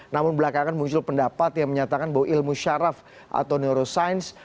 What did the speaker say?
namun belakangan muncul pendapat yang menyatakan bahwa ilmu syaraf atau neuroscience